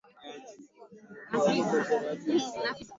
hizi hifadhi za jamii nchini tanzania ndiyo